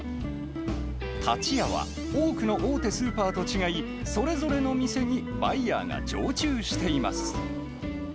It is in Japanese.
タチヤは、多くの大手スーパーと違い、それぞれの店にバイヤーが常駐しています。